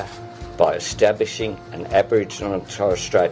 dengan menetapkan peraturan di wilayah perintah non aboriginal australia